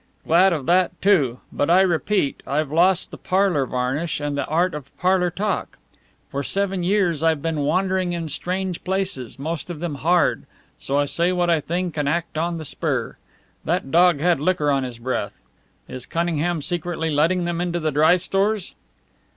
"Glad of that, too. But I repeat, I've lost the parlour varnish and the art of parlour talk. For seven years I've been wandering in strange places, most of them hard; so I say what I think and act on the spur. That dog had liquor on his breath. Is Cunningham secretly letting them into the dry stores?"